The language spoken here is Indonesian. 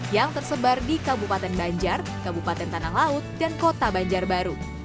yang tersebar di kabupaten banjar kabupaten tanah laut dan kota banjarbaru